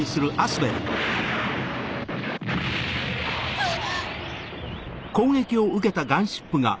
あっ！